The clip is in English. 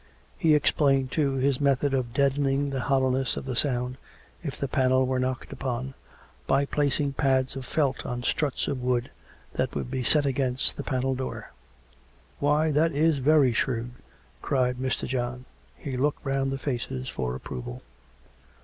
He explained, too, his method of deadening the hoUowness of the sound if the panel were knocked upon, by placing pads of felt on struts of wood that would be set against the panel door. " Why, that is very shrewd !" cried Mr. John. He looked round the faces for approval.